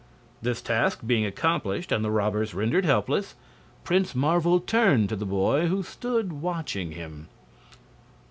This task being accomplished and the robbers rendered helpless, Prince Marvel turned to the boy who stood watching him.